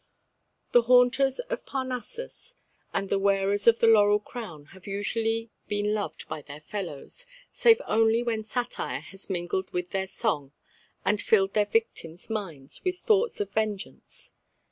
The haunters of Parnassus and the wearers of the laurel crown have usually been loved by their fellows, save only when satire has mingled with their song and filled their victims' minds with thoughts of vengeance.